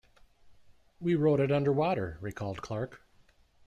"We wrote it underwater," recalled Clarke.